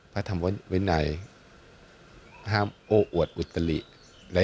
พระธรรมวินัยห้ามโอ้อวดอุตลิและ